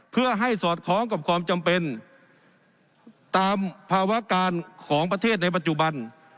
เพื่อให้สอดคล้องกับความจำเป็นตามภาวะการของประเทศในปัจจุบัน